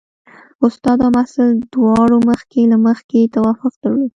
استاد او محصل دواړو مخکې له مخکې توافق درلود.